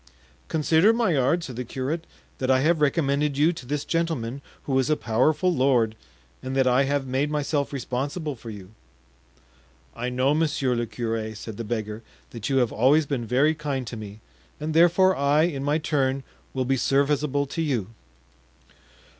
"Consider, Maillard," said the curate, "that I have recommended you to this gentleman, who is a powerful lord, and that I have made myself responsible for you." "I know, monsieur le curé," said the beggar, "that you have always been very kind to me, and therefore I, in my turn, will be serviceable to you."